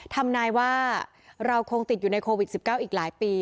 ทำนายว่าเราคงติดอยู่ในโควิด๑๙อีกหลายปี